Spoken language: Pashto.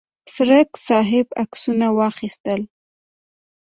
څرک صاحب عکسونه واخیستل.